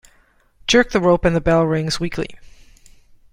Jerk the rope and the bell rings weakly.